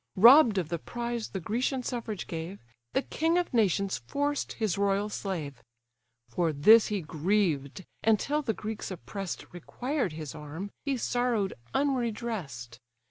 Robb'd of the prize the Grecian suffrage gave, The king of nations forced his royal slave: For this he grieved; and, till the Greeks oppress'd Required his arm, he sorrow'd unredress'd.